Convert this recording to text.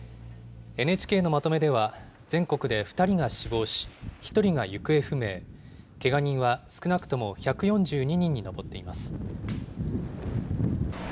ＮＨＫのまとめでは、全国で２人が死亡し、１人が行方不明、けが人は少なくとも１４２人に上っています。